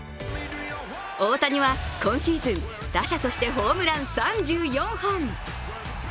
大谷は今シーズン、打者としてホームラン３４本。